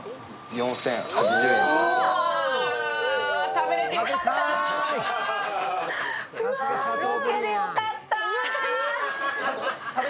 食べれてよかった！